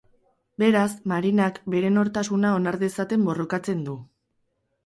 Beraz, Marinak bere nortasuna onar dezaten borrokatzen du.